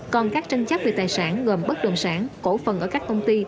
còn các tranh chấp về tài sản gồm bất đồng sản cổ phần ở các công ty